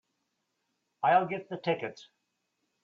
I'll get the tickets.